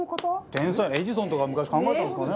天才エジソンとか昔考えたんですかね。